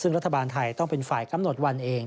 ซึ่งรัฐบาลไทยต้องเป็นฝ่ายกำหนดวันเอง